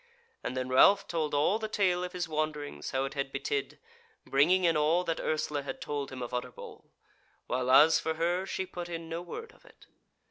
And then Ralph told all the tale of his wanderings how it had betid, bringing in all that Ursula had told him of Utterbol; while as for her she put in no word of it.